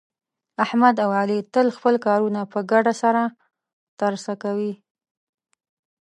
احمد او علي تل خپل کارونه په ګډه سره ترسه کوي.